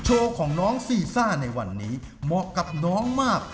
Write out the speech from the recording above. โชว์ของน้องซีซ่าในวันนี้เหมาะกับน้องมาก